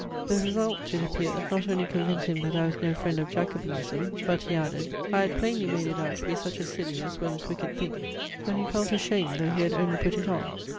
The result, it appears, not only convinced him that I was no friend of jacobinism; but, (he added,) I had "plainly made it out to be such a silly as well as wicked thing, that he felt ashamed though he had only put it on."